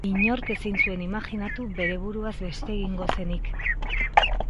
Inork ezin zuen imajinatu bere buruaz beste egingo zenik.